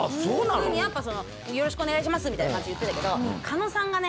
普通にやっぱその「よろしくお願いします」みたいな感じで言ってたけど加納さんがね